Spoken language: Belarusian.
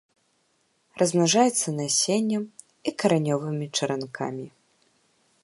Размнажаецца насеннем і каранёвымі чаранкамі.